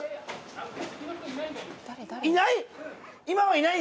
いない！？